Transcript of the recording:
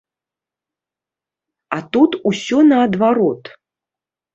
А тут усё наадварот.